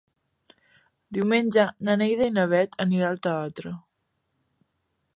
Diumenge na Neida i na Bet aniran al teatre.